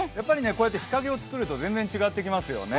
こうやって日陰を作ると全然違ってきますよね。